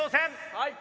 はい。